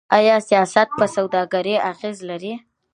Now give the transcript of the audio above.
آیا سیاست په سوداګرۍ اغیز لري؟